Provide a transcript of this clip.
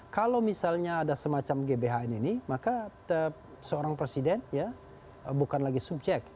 kalau misalnya ada semacam gbhn ini maka seorang presiden bukan lagi subjek